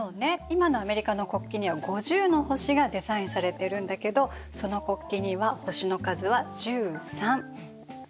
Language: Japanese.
今のアメリカの国旗には５０の星がデザインされてるんだけどその国旗には星の数は１３。